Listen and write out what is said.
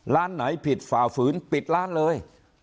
ร้านไหนผิดฝ่าฝืนปิดร้านเลย